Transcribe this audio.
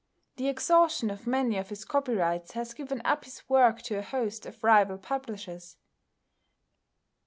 The exhaustion of many of his copyrights has given up his work to a host of rival publishers.